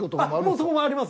そこもあります。